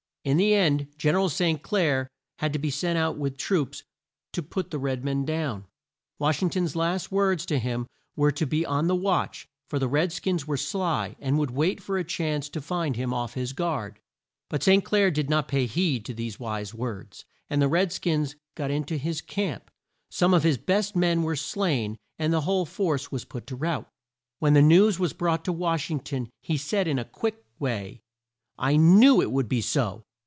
In the end, Gen er al St. Clair had to be sent out with troops to put the red men down. Wash ing ton's last words to him were to be on the watch, for the red skins were sly and would wait for a chance to find him off his guard. But St. Clair did not pay heed to these wise words, and the red skins got in to his camp, some of his best men were slain, and the whole force was put to rout. When the news was brought to Wash ing ton he said in a quick way, "I knew it would be so!